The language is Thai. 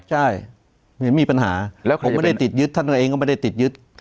ใช่มีปัญหาผมไม่ได้ติดยึดท่านก็ไม่ได้ติดยึด